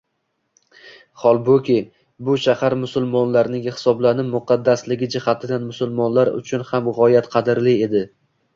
Holbuki, bu shahar musulmonlarniki hisoblanib, muqaddasligi jihatidan musulmonlar uchun ham g‘oyat qadrli edi